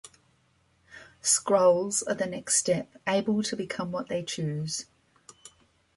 Skrulls are the next step, able to become what they choose.